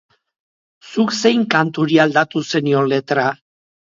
Zuk zein kanturi aldatu zenion letra?